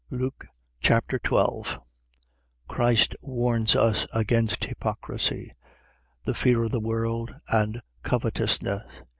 Luke Chapter 12 Christ warns us against hypocrisy, the fear of the world and covetousness.